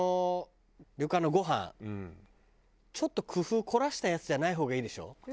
旅館のごはんちょっと工夫凝らしたやつじゃない方がいいでしょ？